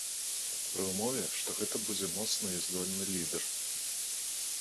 Пры ўмове што гэта будзе моцны і здольны лідэр.